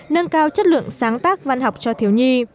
nâng cao chất lượng sáng tác văn học cho thiếu nhi